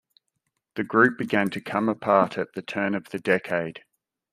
The group began to come apart at the turn of the decade.